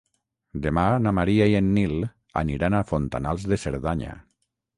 Demà na Maria i en Nil aniran a Fontanals de Cerdanya.